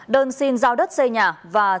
đơn xin giao đất xây nhà và